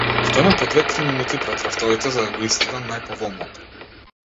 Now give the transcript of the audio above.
Стојам по две-три минути пред рафтовите, за да го исцедам најповолното.